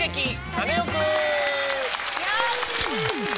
カネオくん」！